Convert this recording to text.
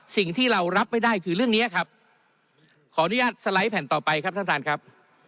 สิ่งที่เรารับไม่ได้คือเรื่องนี้ครับขออนุญาตสไลด์แผ่นต่อไปครับท่านท่านครับ